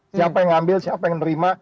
siapa yang ngambil siapa yang nerima